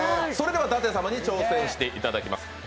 それでは舘様に挑戦していただきます。